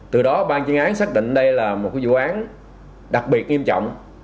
từ đó bang chiên án xác định đây là một vụ án đặc biệt nghiêm trọng